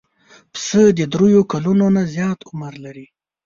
پسه د درېیو کلونو نه زیات عمر لري.